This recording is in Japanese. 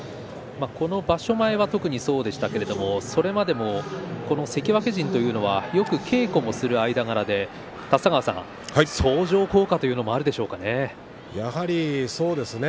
場所前は特にそうでしたがこれまでも関脇陣というのはよく稽古もする間柄で、立田川さん相乗効果というのもあるんですよね。